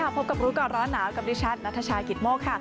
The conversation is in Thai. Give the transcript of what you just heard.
สวัสดีค่ะพบกับรู้ก่อนร้อนหนาวพาริชันณทชกิตโม้ค